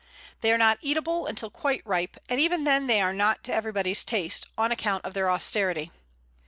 They are not eatable until quite ripe, and even then they are not to everybody's taste, on account of their austerity.